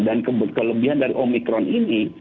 dan kelebihan dari omikron ini